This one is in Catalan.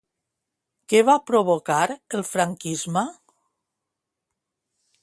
Què va provocar el franquisme?